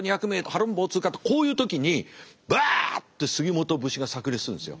ハロン棒通過とこういう時にバッと杉本節がさく裂するんですよ。